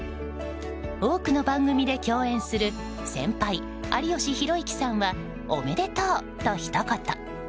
多くの番組で共演する先輩・有吉弘行さんはおめでとうとひと言。